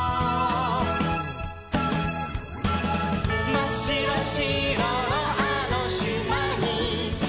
「まっしろしろのあのしまに」